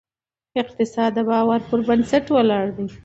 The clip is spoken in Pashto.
اقتصاد د باور پر بنسټ ولاړ دی.